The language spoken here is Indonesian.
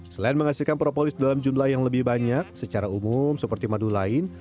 selain menghasilkan propolis dalam jumlah yang lebih banyak secara umum seperti madu lain